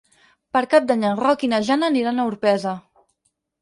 Per Cap d'Any en Roc i na Jana aniran a Orpesa.